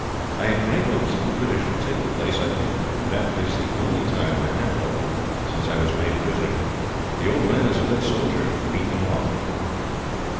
"I had great hopes that the British would take the place. I think that is the only time I have hoped, since I was made prisoner; but the old man is a good soldier, and beat them off.